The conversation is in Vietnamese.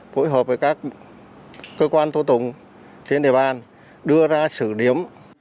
phối hợp với các cơ quan thủ tụng trên địa bàn đưa ra xử điểm